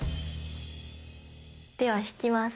では引きます。